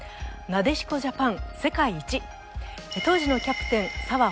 なでしこジャパン世界一当時のキャプテン澤